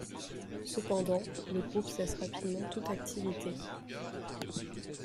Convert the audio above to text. Cependant, le groupe cesse rapidement toute activité.